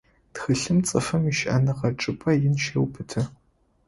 Тхылъым цӏыфым ищыӏэныгъэ чӏыпӏэ ин щеубыты.